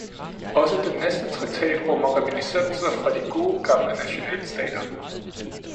Også den næste traktat rummer reminiscenser fra de gode gamle nationalstater.